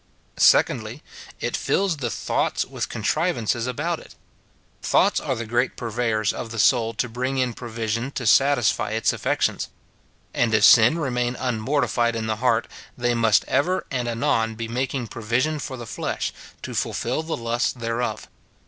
2dJy. It fills the thoughts with contrivances about it. Thoughts are the great purveyors of the soul to bring in provision to satisfy its afiections ; and if sin remain un mortified in the heart, they must ever and anon be making provision for the flesh, to fulfil the lusts thereof.